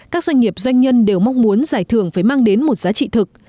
các doanh nghiệp doanh nhân đều mong muốn giải thưởng phải mang đến một giá trị thực